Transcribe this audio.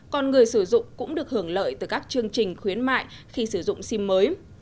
còn người sử dụng cũng được hưởng lợi từ các chương trình khuyến mại khi sử dụng sim mới